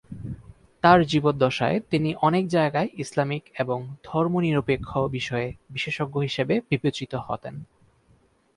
তাঁর জীবদ্দশায় তিনি অনেক যায়গায় ইসলামিক এবং ধর্মনিরপেক্ষ বিষয়ে বিশেষজ্ঞ হিসাবে বিবেচিত হতেন।